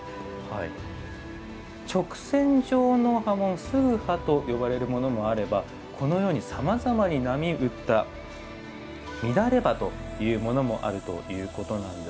直線状の刃文、直刃と呼ばれるものもあればこのように、さまざまに波打った乱刃と呼ばれるものもあるということなんです。